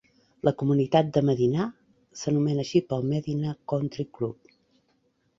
La comunitat de Medinah s'anomena així pel Medinah Country Club.